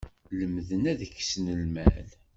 Lemden ad ksen lmal.